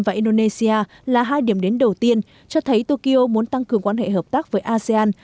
và indonesia là hai điểm đến đầu tiên cho thấy tokyo muốn tăng cường quan hệ hợp tác với asean